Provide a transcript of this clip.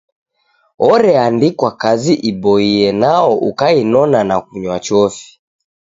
Oreandikwa kazi iboie nao ukainona na kunywa chofi.